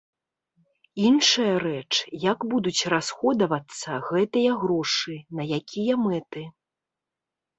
Іншая рэч, як будуць расходавацца гэтыя грошы, на якія мэты.